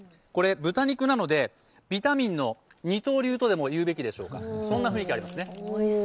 豚肉なので、ビタミンの二刀流とでも言うべきでしょうか、そんな雰囲気ありますね。